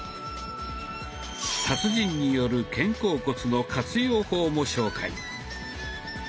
達人による肩甲骨の活用法も紹介。